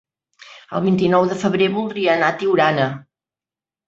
El vint-i-nou de febrer voldria anar a Tiurana.